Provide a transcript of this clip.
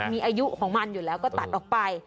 มีอายุของมันอยู่แล้วก็ตัดออกไป